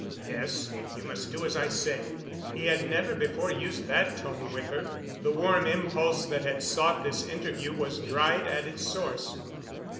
"Yes—you must do as I say." He had never before used that tone with her. The warm impulse that had sought this interview was dried at its source.